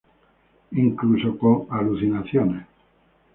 Incluso con alucinaciones.